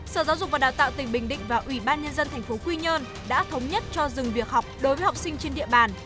sở giáo dục và đào tạo tỉnh bình định và ủy ban nhân dân tp quy nhơn đã thống nhất cho dừng việc học đối với học sinh trên địa bàn